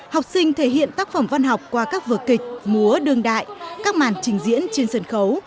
học sinh thể hiện tác phẩm văn học qua các vở kịch múa đương đại các màn trình diễn trên sân khấu